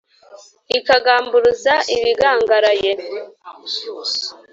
ikagamburuza ibigangaraye